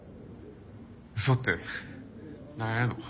嘘ってなんやの？